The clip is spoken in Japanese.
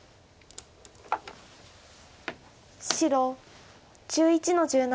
白１１の十七。